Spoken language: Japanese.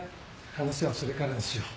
話はそれからにしよう。